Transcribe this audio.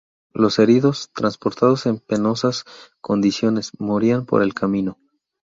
Los heridos, transportados en penosas condiciones, morían por el camino.